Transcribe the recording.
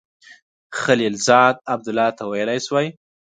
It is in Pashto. خلیلزاد عبدالله ته ویلای سوای.